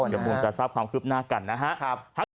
เดี๋ยวมุ่นการทราบความคลิปหน้ากันนะครับ